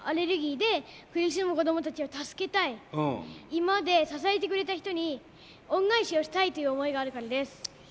今まで支えてくれた人に恩返しをしたいという思いがあるからです。